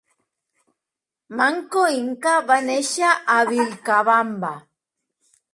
Manco Inca va néixer a Vilcabamba.